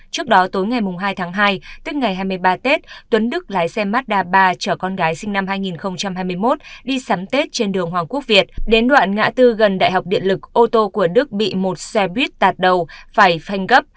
trước đó tối ngày hai tháng hai tức ngày hai mươi ba tết tuấn đức lái xe mazda ba chở con gái sinh năm hai nghìn hai mươi một đi sắm tết trên đường hoàng quốc việt đến đoạn ngã tư gần đại học điện lực ô tô của đức bị một xe buýt tạt đầu phải phanh gấp